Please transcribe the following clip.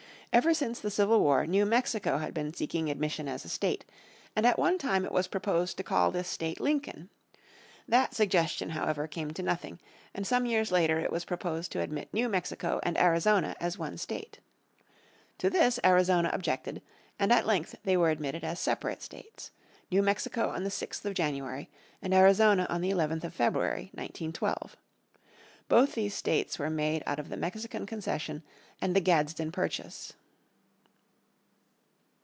Ever since the Civil War New Mexico had been seeking admission as a state, and at one time it was proposed to call this state Lincoln. That suggestion, however, came to nothing, and some years later it was proposed to admit New Mexico and Arizona as one state. To this Arizona objected, and at length they were admitted as separate states, New Mexico on the 6th of January and Arizona on the 11th of February, 1912. Both these states were made out of the Mexican Concession and the Gadsden Purchase.